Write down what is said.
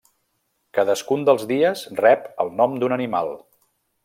Cadascun dels dies rep el nom d'un animal.